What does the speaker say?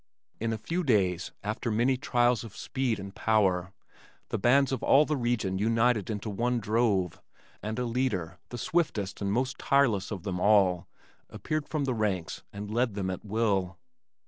In a few days, after many trials of speed and power the bands of all the region united into one drove, and a leader, the swiftest and most tireless of them all, appeared from the ranks and led them at will.